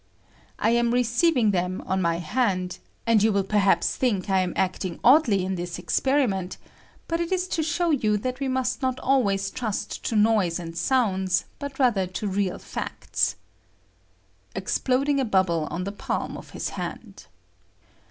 I am receiving them on my hand, and you will perhaps think I am acting oddly in this experiment, but it is to show you ■fliat we must not always trust to noise and sounds, but rather to real facts. [Exploding bubble on the palm of his hand.